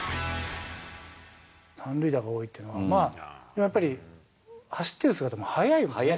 ３塁打が多いっていうのは、まあ、やっぱり、走ってる姿も速い。